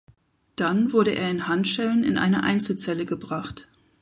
Dann wurde er in Handschellen in eine Einzelzelle gebracht.